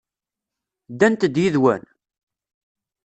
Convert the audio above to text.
Ddant-d yid-wen?